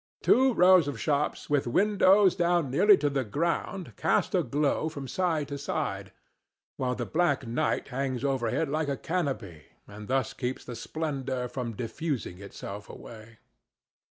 Two rows of shops with windows down nearly to the ground cast a glow from side to side, while the black night hangs overhead like a canopy, and thus keeps the splendor from diffusing itself away.